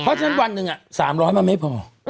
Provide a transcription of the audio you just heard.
เพราะฉะนั้นวันหนึ่ง๓๐๐มันไม่พอ